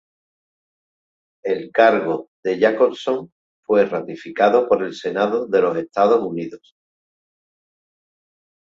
El cargo de Jacobson fue ratificado por el Senado de los Estados Unidos.